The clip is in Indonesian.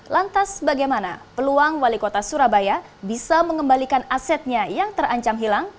lantas bagaimana peluang wali kota surabaya bisa mengembalikan asetnya yang terancam hilang